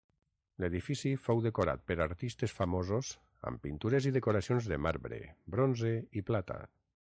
L'edifici fou decorat per artistes famosos amb pintures i decoracions de marbre, bronze i plata.